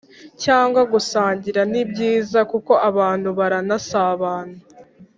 cyangwa gusangira nibyiza kuko abanttu barana sabana